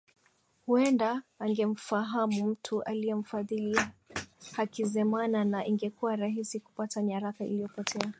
Huenda angemfahamu mtu aliyemfadhili Hakizemana na ingekuwa rahisi kupata nyaraka iliyopotea